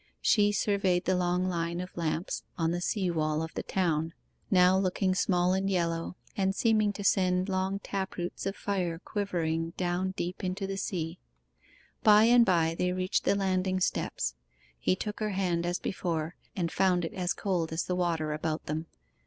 She surveyed the long line of lamps on the sea wall of the town, now looking small and yellow, and seeming to send long tap roots of fire quivering down deep into the sea. By and by they reached the landing steps. He took her hand as before, and found it as cold as the water about them.